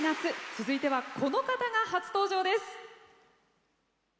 続いては、この方が初登場です。